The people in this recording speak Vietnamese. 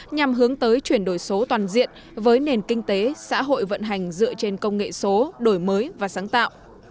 nhằm hướng tới chuyển đổi số toàn diện với nền kinh tế xã hội vận hành dựa trên công nghệ số đổi mới và sáng tạo